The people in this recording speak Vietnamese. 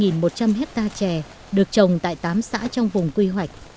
có ba một trăm linh hectare chè được trồng tại tám xã trong vùng quy hoạch